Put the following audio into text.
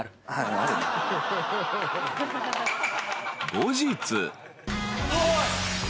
［後日］